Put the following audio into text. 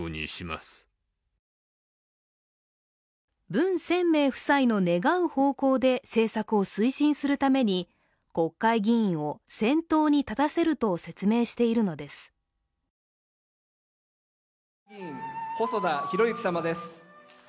ムン・ソンミョン夫妻の願う方向で政策を推進するために国会議員を先頭に立たせると説明しているのです。